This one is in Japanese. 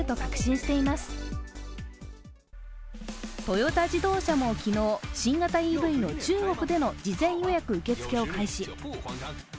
トヨタ自動車も昨日、新型ＥＶの中国での事前予約受け付けを開始。